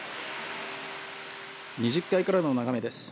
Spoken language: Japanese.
２０階からの眺めです。